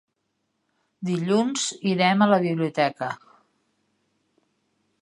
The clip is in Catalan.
Dilluns irem a la biblioteca.